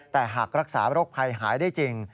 แต่หากรักษาโรคภัยหายได้จริง